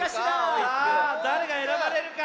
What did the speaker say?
さあだれがえらばれるか？